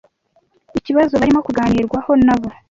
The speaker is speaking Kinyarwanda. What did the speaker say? Ikibazo barimo kuganirwaho nabo.